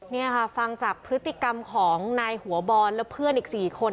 นี่ค่ะฟังจากพฤติกรรมของนายหัวบอลและเพื่อนอีก๔คน